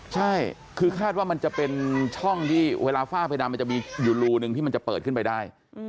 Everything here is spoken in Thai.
ใช่คือคาดว่ามันจะเป็นช่องที่เวลาฝ้าเพดานมันจะมีอยู่รูหนึ่งที่มันจะเปิดขึ้นไปได้